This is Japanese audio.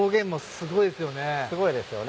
すごいですよね。